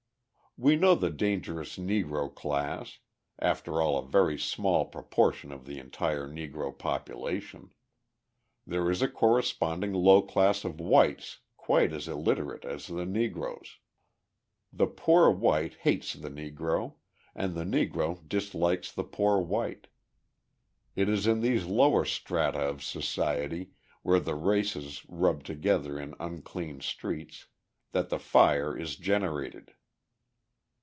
We know the dangerous Negro class after all a very small proportion of the entire Negro population. There is a corresponding low class of whites quite as illiterate as the Negroes. The poor white hates the Negro, and the Negro dislikes the poor white. It is in these lower strata of society, where the races rub together in unclean streets, that the fire is generated.